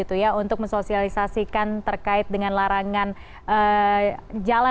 untuk mensosialisasikan terkait dengan larangan jalan